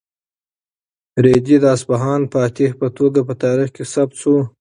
رېدي د اصفهان فاتح په توګه په تاریخ کې ثبت شو.